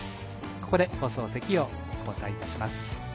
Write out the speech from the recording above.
ここで放送席を交代いたします。